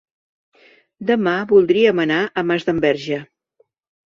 Demà voldríem anar a Masdenverge.